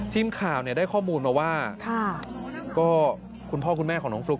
ทีมข่าวเนี่ยได้ข้อมูลมาว่าก็คุณพ่อคุณแม่ของน้องฟลุ๊ก